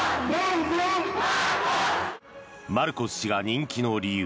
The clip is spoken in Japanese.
マルコス氏が人気の理由。